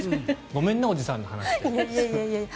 ごめんね、おじさんの話で。